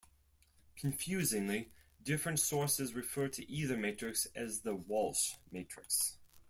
Confusingly, different sources refer to either matrix as the Walsh matrix.